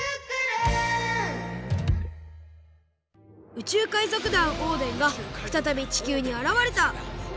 宇宙海賊団オーデンがふたたび地球にあらわれた。